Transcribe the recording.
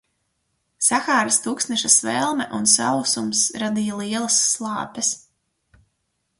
Sahāras tuksneša svelme un sausums radīja lielas slāpes.